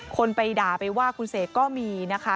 คนไปด่าไปว่าคุณเสกก็มีนะคะ